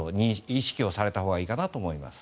意識をされたほうがいいかなと思います。